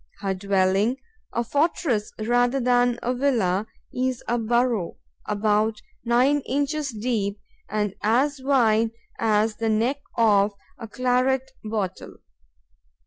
Her dwelling, a fortress rather than a villa, is a burrow about nine inches deep and as wide as the neck of a claret bottle.